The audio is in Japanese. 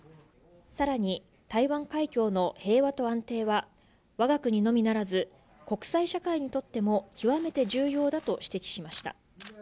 さらに、台湾海峡の平和と安定は、わが国のみならず国際社会にとっても極めて重要だと指摘しました。